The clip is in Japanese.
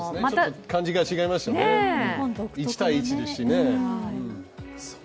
感じが違いますしね、１対１ですしね。